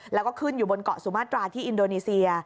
แล้วก็ขึ้นอยู่บนเกาะสุมาตราที่อินโดนีเซีย